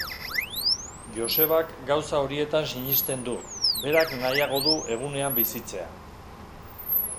Josebak gauza horietan sinesten du, berak nahiago du egunean bizitzea.